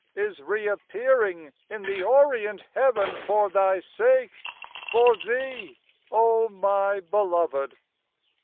Is re appearing in the Orient heaven For thy sake, for thee, O my Beloved.